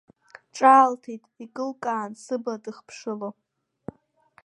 Ҿаалҭит икылкаан сыбла дхыԥшыло.